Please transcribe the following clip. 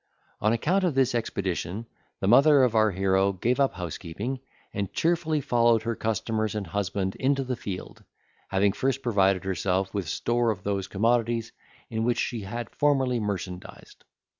On account of this expedition, the mother of our hero gave up housekeeping, and cheerfully followed her customers and husband into the field; having first provided herself with store of those commodities in which she had formerly merchandised.